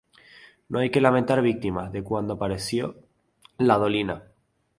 No hay que lamentar víctimas de cuando apareció la dolina.